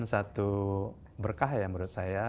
satu berkah ya menurut saya